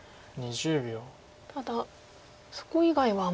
ただそこ以外はあまり。